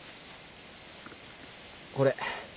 これ。